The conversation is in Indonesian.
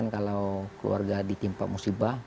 kalau keluarga ditimpa musibah